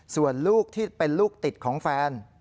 ส่วนลูกที่เป็นลูกติดของแฟน